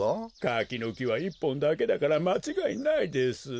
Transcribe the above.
かきのきは１ぽんだけだからまちがいないです。